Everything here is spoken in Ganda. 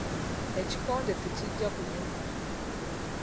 Ekikonde tekijja kunyuma.